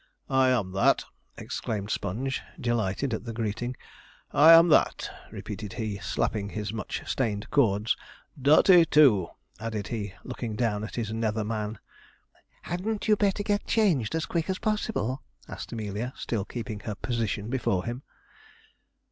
'I am that,' exclaimed Sponge, delighted at the greeting; 'I am that,' repeated he, slapping his much stained cords; 'dirty, too,' added he, looking down at his nether man. 'Hadn't you better get changed as quick as possible?' asked Amelia, still keeping her position before him.